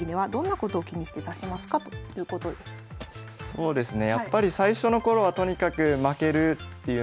そうですね